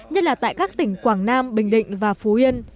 nhất là tại các tỉnh quảng nam bình định và phú yên